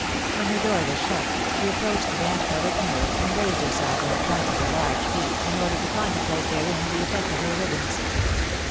When her door was shut, she approaclied the damp covered mir ror, and raised herself on the points of her large feet, in order to contemplate therein the effect of her ribbons.